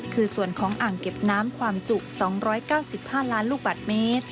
คือส่วนของอ่างเก็บน้ำความจุ๒๙๕ล้านลูกบาทเมตร